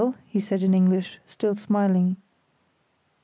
he said, in English, still smiling.